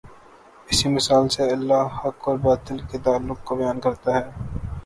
اسی مثال سے اللہ حق اور باطل کے تعلق کو بیان کرتا ہے۔